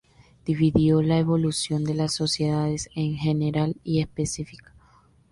Dividió la evolución de las sociedades en "general" y "específica".